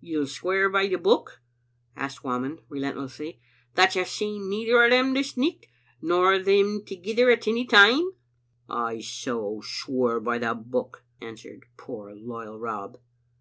"You'll swear by the Book," asked Whamond, re lentlessly, "that you've seen neither o' them this nicht, nor them thegither at any time?" " I so swear by the Book," answered poor loyal Rob.